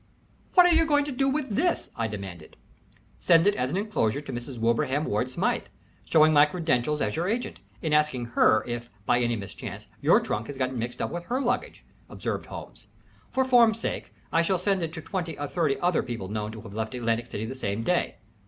"What are you going to do with this?" I demanded. "Send it as an enclosure to Mrs. Wilbraham Ward Smythe, showing my credentials as your agent, in asking her if by any mischance your trunk has got mixed in with her luggage," observed Holmes. "For form's sake, I shall send it to twenty or thirty other people known to have left Atlantic City the same day.